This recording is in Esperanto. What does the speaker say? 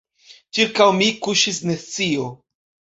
Ĉirkaŭ mi kuŝis nescio.